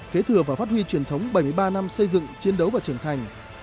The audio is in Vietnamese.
kế thừa và phát huy truyền thống bảy mươi ba năm xây dựng chiến đấu và trưởng thành